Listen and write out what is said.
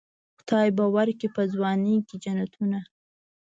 خدای به ورکي په ځوانۍ کې جنتونه.